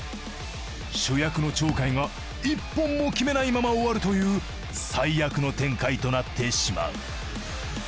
主役の鳥海が一本も決めないまま終わるという最悪の展開となってしまう。